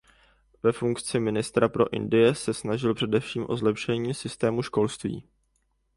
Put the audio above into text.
Ve funkci ministra pro Indii se snažil především o zlepšení systému školství.